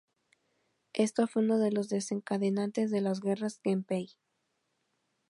Esto fue uno de los desencadenantes de las Guerras Genpei.